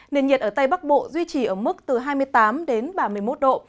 nền nhiệt ở tây bắc bộ duy trì ở mức từ hai mươi tám đến ba mươi một độ